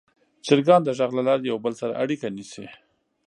چرګان د غږ له لارې یو بل سره اړیکه نیسي.